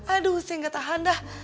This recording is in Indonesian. aduh saya nggak tahan dah